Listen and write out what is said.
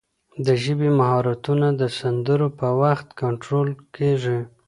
د ژبې مهارتونه د سندرو په وخت کنټرول کېږي.